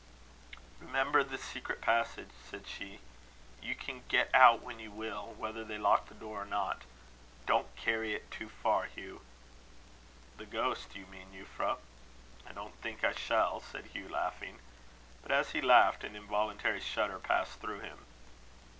"Remember the secret passage," said she. "You can get out when you will, whether they lock the door, or not. Don't carry it too far, Hugh." "The ghost you mean, Euphra. I don't think I shall," said Hugh, laughing. But as he laughed, an involuntary shudder passed through him.